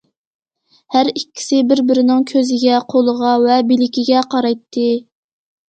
ھەر ئىككىسى بىر- بىرىنىڭ كۆزىگە، قولىغا ۋە بىلىكىگە قارايتتى.